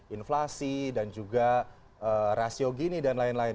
inflasi dan juga rasio gini dan lain lain